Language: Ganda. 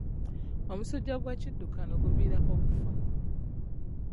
Omusujja gw'ekiddukano guviirako okufa.